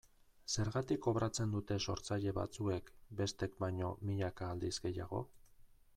Zergatik kobratzen dute sortzaile batzuek bestek baino milaka aldiz gehiago?